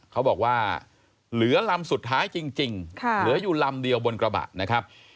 เขาบอกว่าเหลือลำสุดท้ายจริงเหลืออยู่ลำเดียวบนกระบะนะครับ